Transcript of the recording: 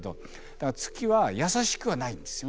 だから月は易しくはないんですよ。